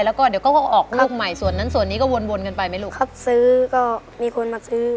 แล้วก็เดี๋ยวก็ออกลูกใหม่ส่วนนั้นส่วนนี้ก็วนวนกันไปไหมลูกครับซื้อก็มีคนมาซื้อ